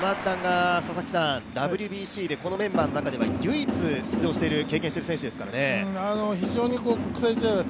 山田がＷＢＣでこのメンバーの中では唯一出場している経験している選手ですからね。